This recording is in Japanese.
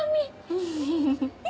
フフフフ。